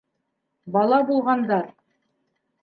Бала булғандар.